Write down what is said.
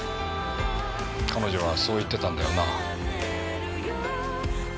彼女はそう言ってたんだよな。